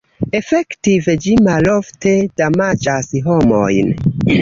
Efektive, ĝi malofte damaĝas homojn.